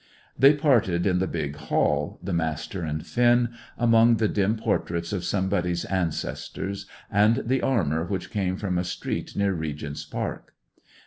They parted in the big hall, the Master and Finn, among the dim portraits of somebody's ancestors and the armour which came from a street near Regent's Park.